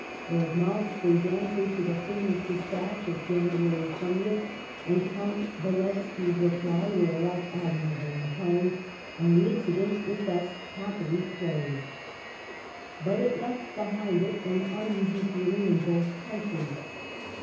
Lord Malmesbury's answer to the famous despatch of January 20th, and Count Walewski's reply were alike admirable in tone, and the incident was thus happily closed. But it left behind it an uneasy feeling in both countries.